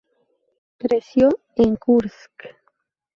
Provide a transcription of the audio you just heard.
Creció en Kursk.